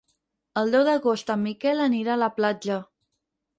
El deu d'agost en Miquel anirà a la platja.